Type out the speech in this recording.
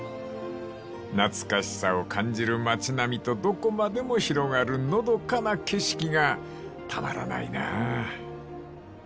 ［懐かしさを感じる町並みとどこまでも広がるのどかな景色がたまらないなぁ］